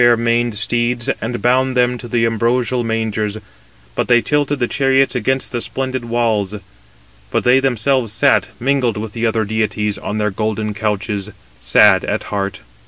The Hours unyoked for them the fair maned steeds, and bound them to the ambrosial mangers; but they tilted the chariots against the splendid walls. But they themselves sat, mingled with the other deities, on their golden couches, sad at heart.